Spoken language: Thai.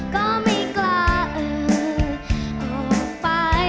ก็ไม่กล้าเอ่ยออกไป